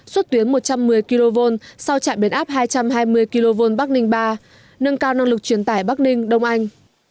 xuất tuyến một trăm một mươi kv sau trạm biến áp hai trăm hai mươi kv bắc ninh ba nâng cao năng lực truyền tải bắc ninh đông anh